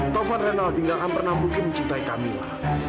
taufan rinaldi nggak akan pernah mungkin mencintai kamila